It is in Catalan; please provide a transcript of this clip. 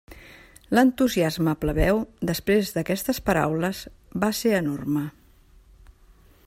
L'entusiasme plebeu, després d'aquestes paraules, va ser enorme.